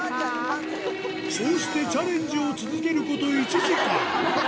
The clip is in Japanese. そうしてチャレンジを続けること１時間。